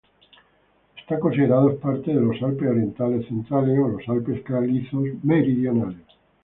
Son considerados parte de los Alpes Orientales centrales o los Alpes Calizos Meridionales.